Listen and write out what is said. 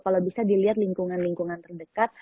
kalau bisa dilihat lingkungan lingkungan terdekat